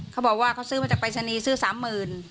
เขาบอกว่าเขาซื้อมาจากปรายศนีย์ซื้อ๓๐๐๐บาท